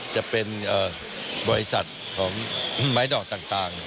จะเป็นบริษัทของไม้ดอกต่าง